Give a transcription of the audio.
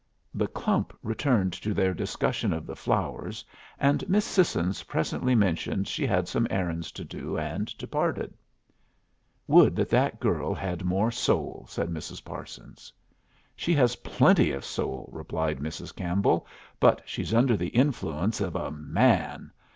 The clump returned to their discussion of the flowers, and Miss Sissons presently mentioned she had some errands to do, and departed. "Would that that girl had more soul!" said Mrs. Parsons. "She has plenty of soul," replied Mrs. Campbell, "but she's under the influence of a man.